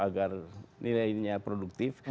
agar nilainya produktif